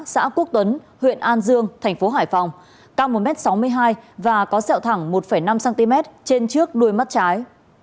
xã quốc tuấn huyện an dương thành phố hải phòng cao một m sáu mươi hai và có sẹo thẳng một năm cm trên trước đuôi mắt trái